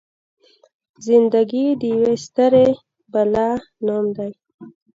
زنده ګي د يوې ستړې بلا نوم دی.